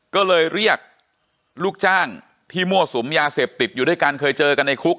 ก็เลยเรียกลูกจ้างที่มั่วสุมยาเสพติดอยู่ด้วยกันเคยเจอกันในคุก